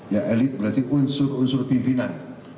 ya elit berarti unsur unsur pimpinan